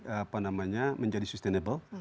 apa namanya menjadi sustainable